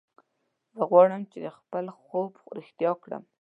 زه غواړم چې خپل خوب رښتیا کړم